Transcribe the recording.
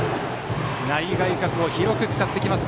内外角を広く使ってきます。